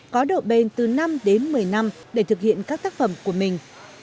có độ bền từ năm đến một mươi năm để thực hiện các tác phẩm của mình